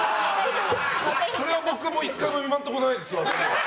それは僕は１回も今のところないですわ。